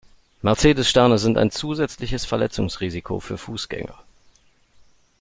Mercedes-Sterne sind ein zusätzliches Verletzungsrisiko für Fußgänger.